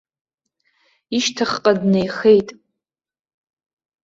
Ишьҭахьҟа днеихеит.